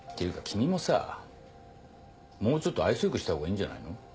君もさもうちょっと愛想よくしたほうがいいんじゃないの？